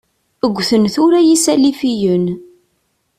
Ggten tura Yisalifiyen.